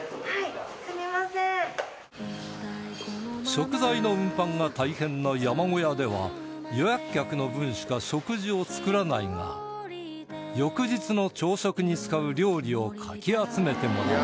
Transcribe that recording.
食材の運搬が大変な山小屋では予約客の分しか食事を作らないが翌日の朝食に使う料理をかき集めてもらい